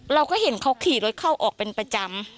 เราก็เห็นเขาขี่รถเข้าออกเป็นประจำ